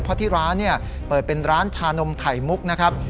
เพราะที่ร้านเนี่ยเปิดเป็นร้านชานมไข่มุกนะครับ